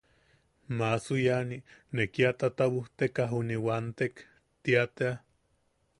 –Maasu iani, ne kia tatabujteka juni wantek. – Tia tea.